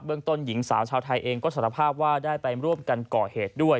ต้นหญิงสาวชาวไทยเองก็สารภาพว่าได้ไปร่วมกันก่อเหตุด้วย